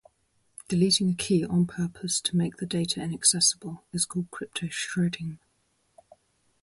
Deleting a key on purpose to make the data inaccessible is called crypto-shredding.